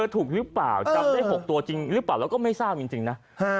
ถูกหรือเปล่าจำได้๖ตัวจริงหรือบ่าแล้วก็ไม่รู้สึกจริงนะ